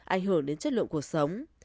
ảnh hưởng đến chất lượng cuộc sống